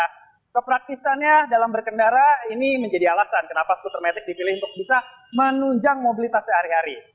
nah kepraktisannya dalam berkendara ini menjadi alasan kenapa skuter metik dipilih untuk bisa menunjang mobilitas sehari hari